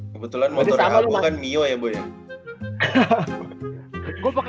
kebetulan motornya aku kan mio ya bu ya